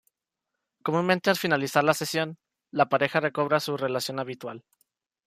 Comúnmente al finalizar la sesión, la pareja recobra su relación habitual.